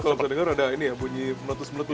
kalau bisa dengar ada ini ya bunyi meletus meletus